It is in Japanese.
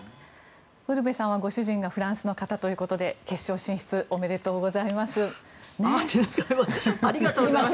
ウルヴェさんはご主人がフランスの方ということで決勝進出おめでとうございます。